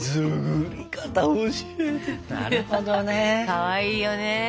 かわいいよね。